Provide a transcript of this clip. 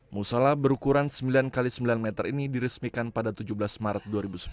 musola berukuran sembilan x sembilan meter ini diresmikan pada tujuh belas maret dua ribu sepuluh